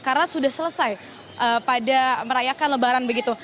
karena sudah selesai pada merayakan lebaran begitu